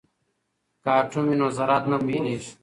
که اټوم وي نو ذرات نه بېلیږي.